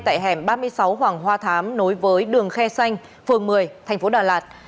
tại hẻm ba mươi sáu hoàng hoa thám nối với đường khe xanh phường một mươi thành phố đà lạt